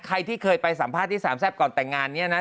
ใครที่เคยไปสัมภาษณ์ที่สามแซ่บก่อนแต่งงานเนี่ยนะ